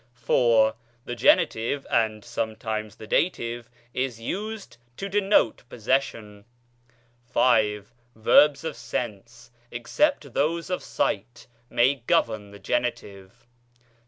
IV. The genitive (and sometimes the dative) is used to denote pos session. V. Verbs of sense, except those of sight, may govern the genitive.